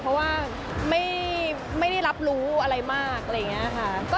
เพราะว่าไม่ได้รับรู้อะไรมากอะไรอย่างนี้ค่ะ